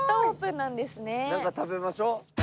なんか食べましょう。